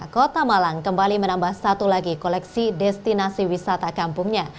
kota malang kembali menambah satu lagi koleksi destinasi wisata kampungnya